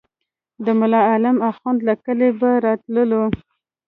د ملا عالم اخند له کلي به راتللو.